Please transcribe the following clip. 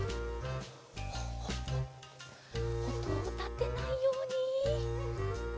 おとをたてないように。